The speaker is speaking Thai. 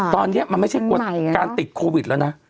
ตอนนี้มันไม่ใช่การติดโควิดแล้วนะ